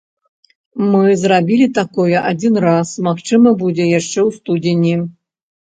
Мы зрабілі такое адзін раз, магчыма будзе яшчэ ў студзені.